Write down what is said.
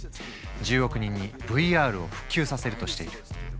１０億人にＶＲを普及させるとしている。